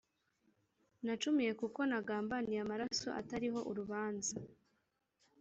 nacumuye kuko nagambaniye amaraso atariho urubanza.